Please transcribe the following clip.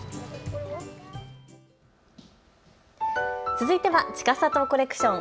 続いてはちかさとコレクション。